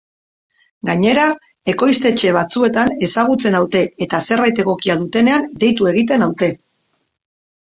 Gainera, ekoiztetxe batzuetan ezagutzen naute eta zerbait egokia dutenean deitu egiten naute.